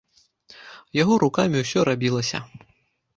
Яго рукамі ўсё рабілася.